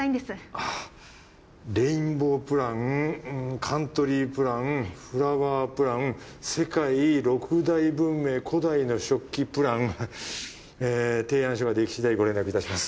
あぁレインボープランカントリープランフラワープラン世界６大文明古代の食器プランえ提案書ができしだいご連絡いたします。